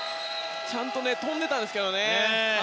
ちゃんと跳んでいたんですけどね。